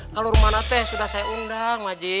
kalau rumahnya teh sudah saya undang maji